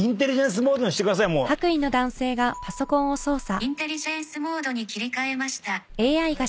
「インテリジェンスモードに切り替えました」